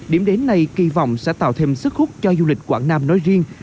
điểm đến này kỳ vọng sẽ tạo thêm sức hút cho du lịch quảng nam nói riêng